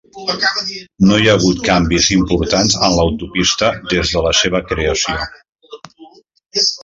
No hi ha hagut canvis importants en l'autopista des de la seva creació.